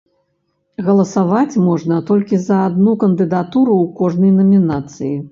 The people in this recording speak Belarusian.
Галасаваць можна толькі за адну кандыдатуру ў кожнай намінацыі.